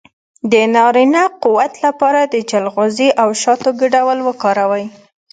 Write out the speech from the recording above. د نارینه قوت لپاره د چلغوزي او شاتو ګډول وکاروئ